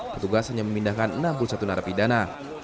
petugas hanya memindahkan enam puluh satu narapidana